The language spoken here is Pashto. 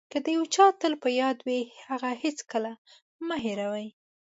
که د یو چا تل په یاد وئ هغه هېڅکله مه هیروئ.